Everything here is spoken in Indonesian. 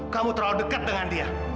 kamu terlalu dekat dengan dia